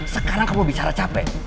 sekarang kamu bicara capek